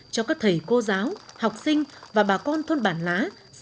cho các thầy cô giáo học sinh và bà con thôn bản lá